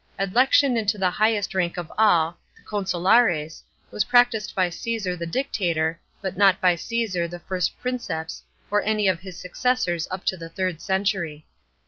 Adl< ction into, the highevst rank of all, the consulates, wa< practised by Caesar the Dictator, but not by Caesar the first Princeps or any of his successors up to the third century.